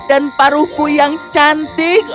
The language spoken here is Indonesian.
dan paruhku yang cantik